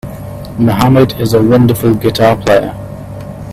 Mohammed is a wonderful guitar player.